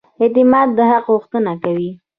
اعتماد د حق غوښتنه کوي.